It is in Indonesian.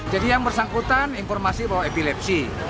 jadi yang bersangkutan informasi bahwa epilepsi